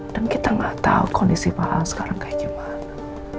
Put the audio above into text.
dan kita gak tahu kondisi pak al sekarang kayak gimana